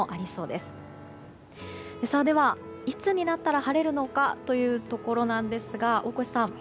では、いつになったら晴れるのかというところなんですが大越さん